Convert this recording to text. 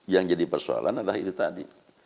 yang jadi persoalan adalah itu tadi